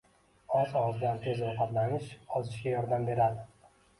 Oz-ozdan tez-tez ovqatlanish ozishga yordam beradi.